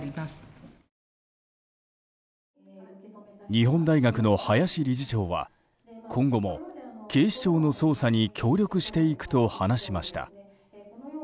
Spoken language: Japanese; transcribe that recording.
日本大学の林理事長は今後も、警視庁の捜査に協力していくと話しました。